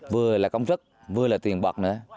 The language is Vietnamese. vừa là công sức vừa là tiền bật nữa